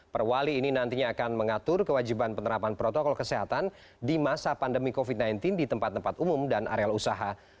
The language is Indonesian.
perwali ini nantinya akan mengatur kewajiban penerapan protokol kesehatan di masa pandemi covid sembilan belas di tempat tempat umum dan area usaha